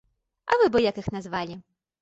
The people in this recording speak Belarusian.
А вы бы як іх назвалі?